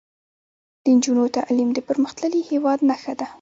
د نجونو تعلیم د پرمختللي هیواد نښه ده.